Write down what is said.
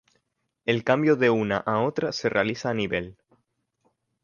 El cambio de una a otra se realiza a nivel.